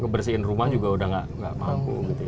bersihin rumah juga sudah tidak mampu